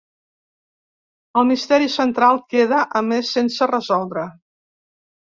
El misteri central queda, a més, sense resoldre.